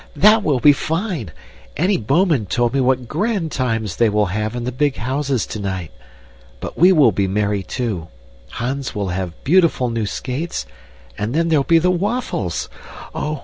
"That will be fine! Annie Bouman told me what grand times they will have in the big houses tonight. But we will be merry too. Hans will have beautiful new skates and then there'll be the waffles! Oh!